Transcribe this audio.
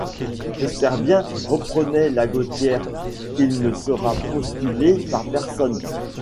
J’espère bien, reprenait la Gaultière, qu’il ne sera postulé par personne.